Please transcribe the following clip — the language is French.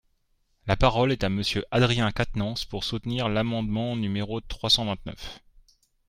La parole est à Monsieur Adrien Quatennens, pour soutenir l’amendement numéro trois cent vingt-neuf.